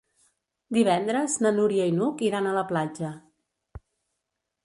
Divendres na Núria i n'Hug iran a la platja.